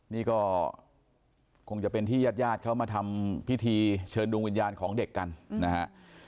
นี่ก็คงจะเป็นที่ญาติญาติเขามาทำพิธีเชิญดวงวิญญาณของเด็กกันนะฮะ